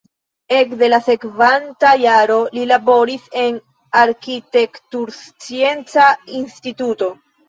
Ekde la sekvanta jaro li laboris en arkitekturscienca instituto.